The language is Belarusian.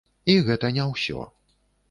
І гэта не ўсё.